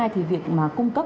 thì việc mà cung cấp